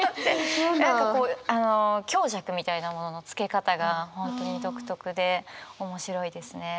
何かこう強弱みたいなもののつけ方が本当に独特で面白いですね。